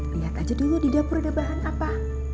lihat aja dulu di dapur ada bahan apa